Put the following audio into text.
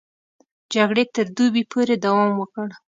جګړې تر دوبي پورې دوام وکړ.